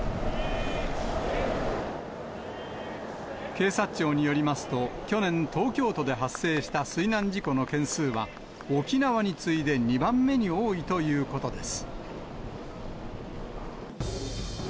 警察庁によりますと、去年、東京都で発生した水難事故の件数は、沖縄に次いで２番目に多いということです。